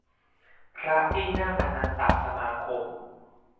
พระที่นั่งอนันตสมาคม